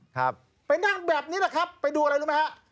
ครับไปนั่งแบบนี้แหละครับไปดูอะไรรู้ไหมฮะ